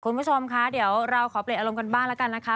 คุณผู้ชมคะเดี๋ยวเราขอเปลี่ยนอารมณ์กันบ้างแล้วกันนะคะ